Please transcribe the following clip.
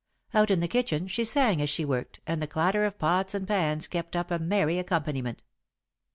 Out in the kitchen, she sang as she worked, and the clatter of pots and pans kept up a merry accompaniment.